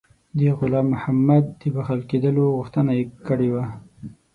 د غلام محمد د بخښل کېدلو غوښتنه کړې وه.